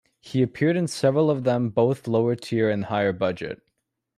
He appeared in several of them-both lower-tier and higher-budget.